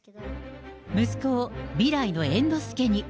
息子を未来の猿之助に。